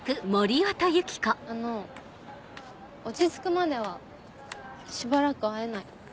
あの落ち着くまではしばらく会えない。